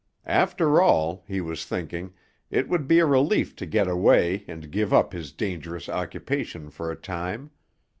After all, he was thinking, it would be a relief to get away and give up his dangerous occupation for a time.